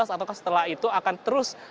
atau setelah itu akan terus